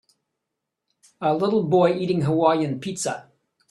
A little boy eating Hawaiian pizza